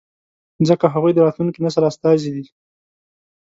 ځکه هغوی د راتلونکي نسل استازي دي.